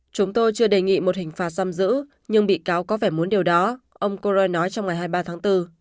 chúng tôi chưa đề nghị một hình phạt giam giữ nhưng bị cáo có vẻ muốn điều đó ông coroi nói trong ngày hai mươi ba tháng bốn